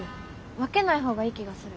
分けない方がいい気がする。